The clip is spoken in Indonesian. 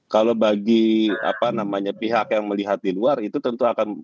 kalau bagi apa namanya pihak yang melihat di luar itu tentu akan punya interpretasi